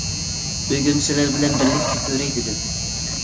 بۈگۈن سىلەر بىلەن بىرلىكتە كۆرەي دېدىم.